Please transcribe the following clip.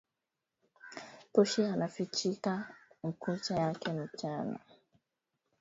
Pushi anafichikaka makucha yake mchana